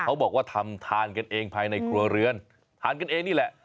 เขาบอกว่าทำทานกันเองภายในครัวเรือนทานกันเองนี่แหละ